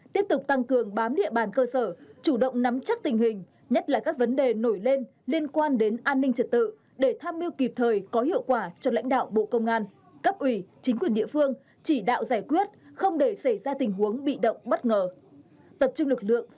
tiếp tục tăng cường bám địa bàn cơ sở chủ động nắm chắc tình hình nhất là các vấn đề nổi lên liên quan đến an ninh trật tự để tham mưu kịp thời có hiệu quả cho lãnh đạo bộ công an cấp ủy chính quyền địa phương chỉ đạo giải quyết không để xảy ra tình huống bị động bất ngờ